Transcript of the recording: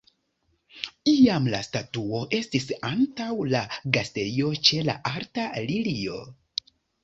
Iam la statuo estis antaŭ la Gastejo ĉe la alta lilio.